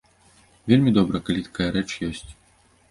Вельмі добра, калі такая рэч ёсць.